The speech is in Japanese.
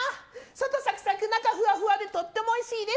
外サクサク中ふわふわでとてもおいしいです。